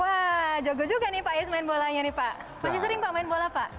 wah jago juga nih pak is main bolanya nih pak masih sering pak main bola pak